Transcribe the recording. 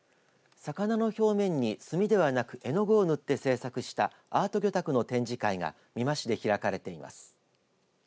魚の表面に墨ではなく絵の具を塗って制作したアート魚拓の展示会が美馬市で開かれています。